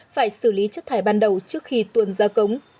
phải xử lý chất thải ban đầu trước khi tuần gia cống